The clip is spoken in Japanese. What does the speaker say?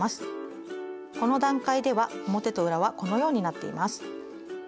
この段階では表と裏はこのようになっています。